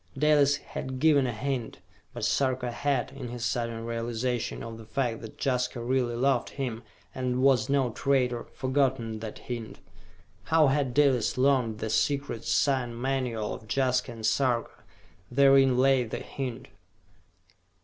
Dalis had given a hint, but Sarka had, in his sudden realization of the fact that Jaska really loved him, and was no traitor, forgotten that hint. How had Dalis learned the secret sign manual of Jaska and Sarka? Therein lay the hint.